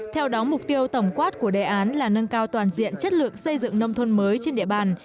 theo đó mục tiêu tổng quát của đề án là nâng cao toàn diện chất lượng xây dựng nông thôn mới trên địa bàn